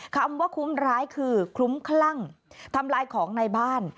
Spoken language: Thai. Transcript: คำว่าคุ้มร้ายคือคลุ้มคลั่งทำลายของในบ้าน